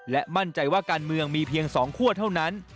และมั่นใจว่าการเมืองมีเพียง๒คั่วเท่านั้น